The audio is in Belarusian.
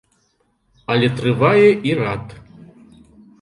Але трывае і рад.